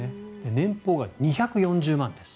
年俸が２４０万です。